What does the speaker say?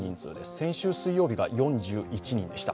先週水曜日が４１人でした。